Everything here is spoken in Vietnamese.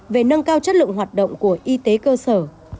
về nâng cao chất lượng hoạt động của y tế cơ sở